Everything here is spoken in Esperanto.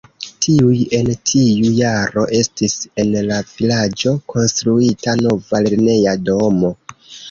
Tuj en tiu jaro estis en la vilaĝo konstruita nova lerneja domo.